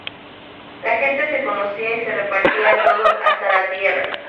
La gente se conocía y se repartía todo, hasta la tierra.